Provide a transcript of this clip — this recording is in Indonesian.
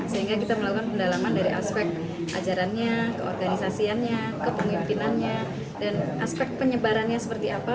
sehingga kita melakukan pendalaman dari aspek ajarannya keorganisasiannya kepemimpinannya dan aspek penyebarannya seperti apa